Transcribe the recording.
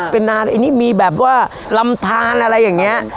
เป็นนานไอ้นี่มีแบบว่าลำทานอะไรอย่างนี้